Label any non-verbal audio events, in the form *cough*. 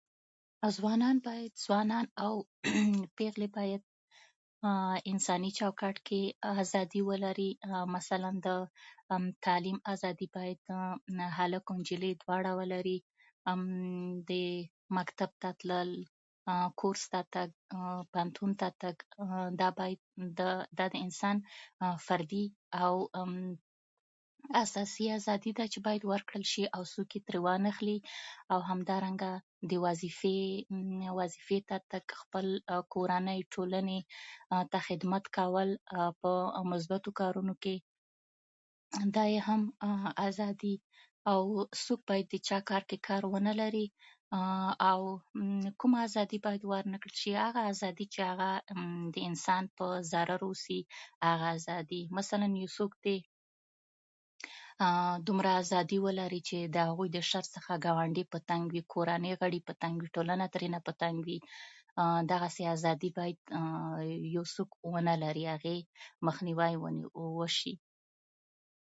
افغانان باید، ځوانان او پیغلې باید انساني چوکاټ کې ازادي ولري؛ مثلا د تعليم ازادي باید هلک او نجلۍ دواړه ولري. *hesitation* دې مکتب ته تلل، کورس ته تګ، پوهنتون ته تګ، دا باید، دا د انسان فردي اساسي ازادي ده چې باید ورکړل شي، او څوک یې ترې وان هخلي. او همدارنګه د وظیفې ته تګ، او خپلې کورنۍ او ټولنې ته خدمت کول په مثبتو کارونو کې، دا یې هم ازادي، او څوک باید د چا کار کې کار ونه لري. او کومه ازادي باید ورنه کړل شي؟ هغه ازادي چې هغه د انسان پ ضرر اوسي. هغه ازادي مثلا، یو څوک دي دومره ازادي ولري چې د هغوی د شر څخه ګاونډي په تنګ وي، کورنۍ غړي په تنګ وي، ټولنه ترینه په تنګ وي. *hesitation* داسې ازادي باید څوک ونه لري؛ هغې مخنیوی ونې وشي.